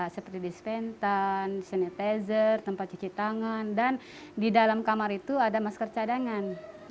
seperti dispentan sanitizer tempat cuci tangan dan di dalam kamar itu ada masker cadangan